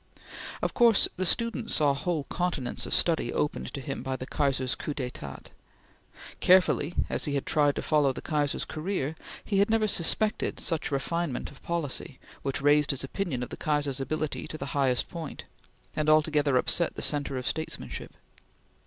Of course the student saw whole continents of study opened to him by the Kaiser's coup d'etat. Carefully as he had tried to follow the Kaiser's career, he had never suspected such refinement of policy, which raised his opinion of the Kaiser's ability to the highest point, and altogether upset the centre of statesmanship.